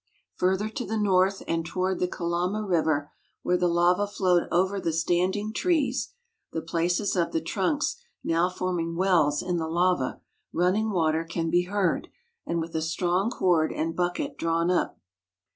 Further to the north and toward the Kalama river, where the lava flowed over the standing trees (the places of the trunks now forming wells in the lava), running water can be heard, and with a strong cord and bucket drawn up.